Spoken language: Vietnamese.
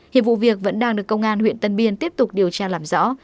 hiệp vụ việc vẫn đang được công an huyện tân biên tiếp tục điều tra làm rõ